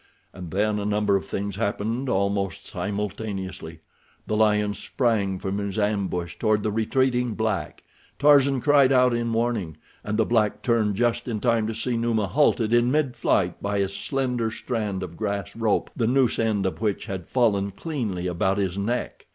And then a number of things happened, almost simultaneously—the lion sprang from his ambush toward the retreating black—Tarzan cried out in warning—and the black turned just in time to see Numa halted in mid flight by a slender strand of grass rope, the noosed end of which had fallen cleanly about his neck.